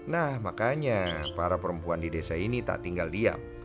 nah makanya para perempuan di desa ini tak tinggal diam